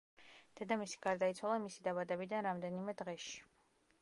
დედამისი გარდაიცვალა მისი დაბადებიდან რამდენიმე დღეში.